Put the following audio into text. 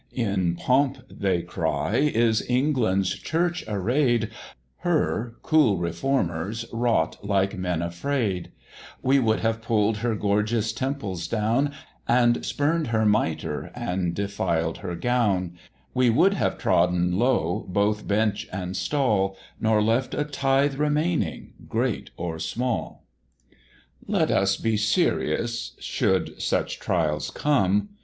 "In pomp," they cry, "is "England's Church array'd, Her cool Reformers wrought like men afraid; We would have pull'd her gorgeous temples down, And spurn'd her mitre, and defiled her gown: We would have trodden low both bench and stall, Nor left a tithe remaining, great or small." Let us be serious Should such trials come.